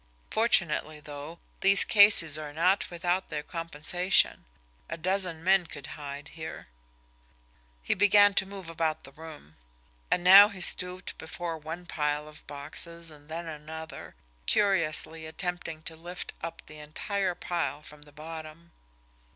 Fortunately, though, these cases are not without their compensation a dozen men could hide here." He began to move about the room. And now he stooped before one pile of boxes and then another, curiously attempting to lift up the entire pile from the bottom.